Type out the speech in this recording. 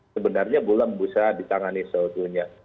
sebenarnya belum bisa ditangani seutuhnya